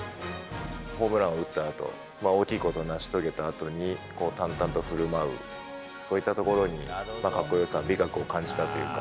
ホームランを打ったあと、大きいことを成し遂げたあとに、淡々とふるまう、そういったところにかっこよさ、美学を感じたというか。